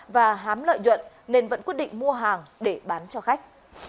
và hám lợi nhuận nên vẫn quyết định mua hàng để bán cho khách